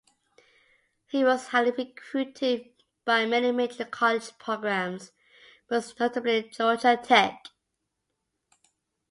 He was highly recruited by many major college programs, most notably Georgia Tech.